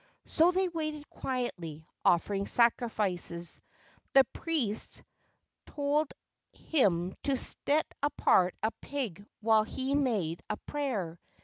So they waited quietly, offering sacrifices. The priests told him to set apart a pig while he made a prayer.